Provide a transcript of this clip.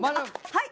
はい！